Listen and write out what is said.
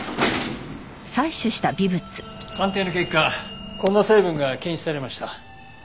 鑑定の結果こんな成分が検出されました。